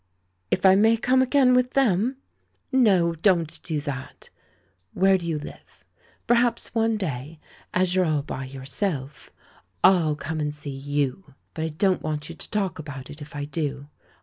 "If I may come again with them ?" "No, don't do that! Where do you live? Per haps one day, as you're all by yourself, Fll come 116 THE MAN WHO UNDERSTOOD WOMEN and see you. But I don't want you to talk about it, if I do.